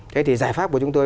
thế thì giải pháp của chúng tôi